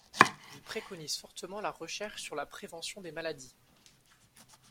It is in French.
Il préconise fortement la recherche sur la prévention des maladies.